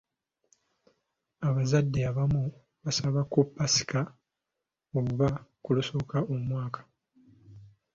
Abazadde abamu basaba ku Ppaasika oba ku lusooka omwaka.